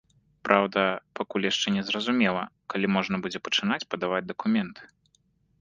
Праўда, пакуль яшчэ незразумела, калі можна будзе пачынаць падаваць дакументы.